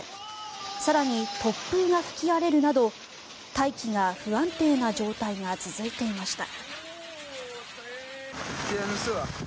更に、突風が吹き荒れるなど大気が不安定な状態が続いていました。